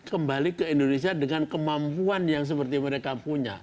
kembali ke indonesia dengan kemampuan yang seperti mereka punya